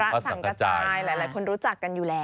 สังกระจายหลายคนรู้จักกันอยู่แล้ว